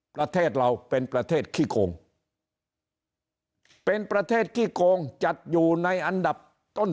ประเทศเราเป็นประเทศขี้โกงเป็นประเทศขี้โกงจัดอยู่ในอันดับต้น